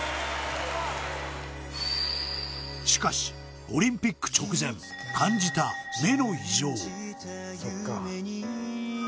しかしオリンピック直前感じた目の異常